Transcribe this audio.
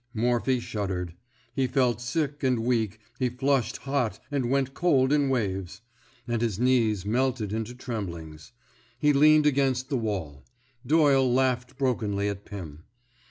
Morphy shuddered. He felt sick and weak ; he flushed hot and went cold in waves ; and his knees melted into tremblings. He leaned against the wall. Doyle laughed brokenly at Pim.